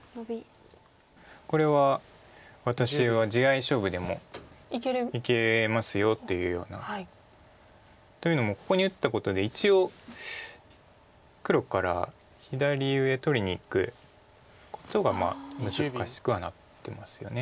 これは「私は地合い勝負でもいけますよ」というような。というのもここに打ったことで一応黒から左上取りにいくことが難しくはなってますよね。